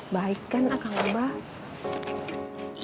baik kan akang akang mbak